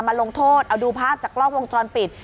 มาลงโทษเอาดูภาพจากรอบวงจรปิด